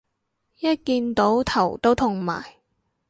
一見到頭都痛埋